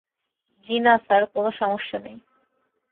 জ্বি-না sir, কোনো সমস্যা নেই।